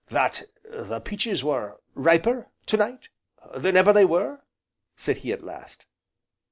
"'That the peaches were riper, to night, than ever they were?'" said he at last.